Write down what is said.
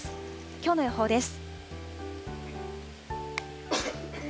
きょうの予報です。